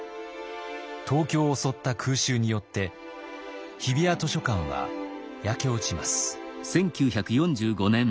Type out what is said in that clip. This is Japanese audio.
東京を襲った空襲によって日比谷図書館は焼け落ちます。